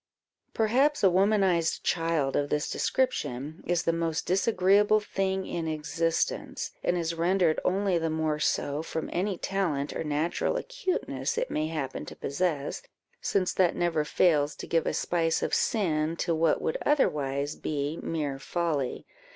Perhaps a womanized child of this description is the most disagreeable thing in existence, and is rendered only the more so, from any talent or natural acuteness it may happen to possess, since that never fails to give a spice of sin to what would otherwise be mere folly.